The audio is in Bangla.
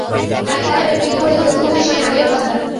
কালই লাহোরে ক্রিকেট বোর্ডের তদন্ত কমিটির সামনে হাজির হওয়ার কথা তাঁর।